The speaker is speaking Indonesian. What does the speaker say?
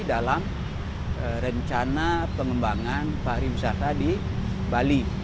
dalam rencana pengembangan pariwisata di bali